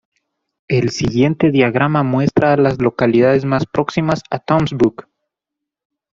El siguiente diagrama muestra a las localidades más próximas a Toms Brook.